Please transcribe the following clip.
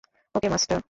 ওকে, master.